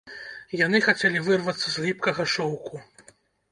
Яны хацелі вырвацца з ліпкага шоўку.